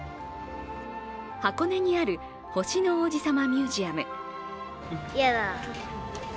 箱根にある星の王子さまミュージアム。